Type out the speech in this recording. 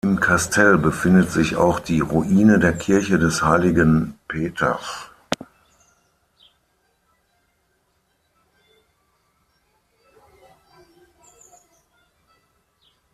Im Kastell befindet sich auch die Ruine der Kirche des heiligen Peters.